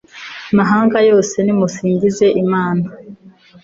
Mahanga yose nimusingize Imana